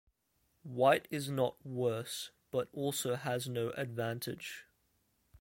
White is not worse, but also has no advantage.